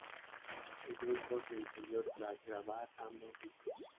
El grupo se disolvió tras grabar ambos discos.